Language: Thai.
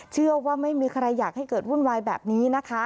เชื่อว่าไม่มีใครอยากให้เกิดวุ่นวายแบบนี้นะคะ